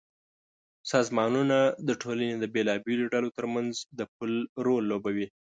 سازمانونه د ټولنې د بېلابېلو ډلو ترمنځ د پُل رول لوبوي.